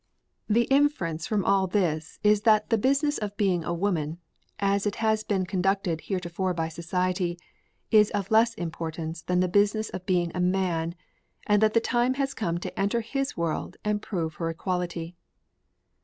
The inference from all this is that the Business of Being a Woman, as it has been conducted heretofore by society, is of less importance than the Business of Being a Man, and that the time has come to enter his world and prove her equality.